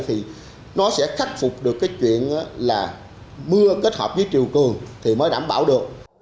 thì nó sẽ khắc phục được cái chuyện là mưa kết hợp với triều cường thì mới đảm bảo được